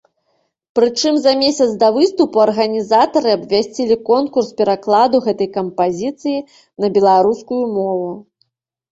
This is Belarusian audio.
Прычым за месяц да выступу арганізатары абвясцілі конкурс перакладу гэтай кампазіцыі на беларускую мову.